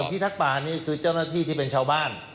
หน่วยพิทักปะนี่คือเจ้าหน้าที่ที่เป็นชาวบ้าน